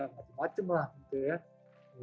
menyebabnya adalah virus yang menyebabkan penyebabnya